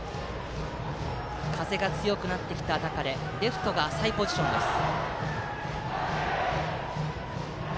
風が強くなってきた中でレフトが浅いポジションです。